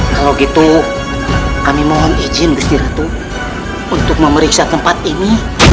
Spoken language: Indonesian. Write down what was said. kalau gitu kami mohon izin bersih ratu untuk memeriksa tempat ini